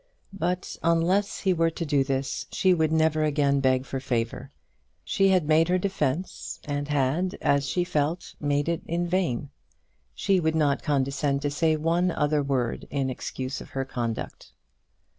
But unless he were to do this she would never again beg for favour. She had made her defence, and had, as she felt, made it in vain. She would not condescend to say one other word in excuse of her conduct.